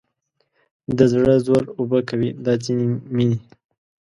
د زړه زور اوبه کوي دا ځینې مینې